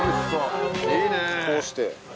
こうして。